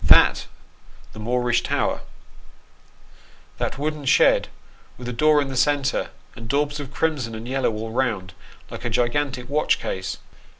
That the Moorish tower that wooden shed with a door in the centre, and daubs of crimson and yellow all round, like a gigantic watch case